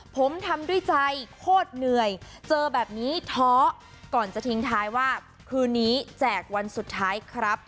ผมทำด้วยใจโคตรเหนื่อยเจอแบบนี้ท้อก่อนจะทิ้งท้ายว่าคืนนี้แจกวันสุดท้ายครับ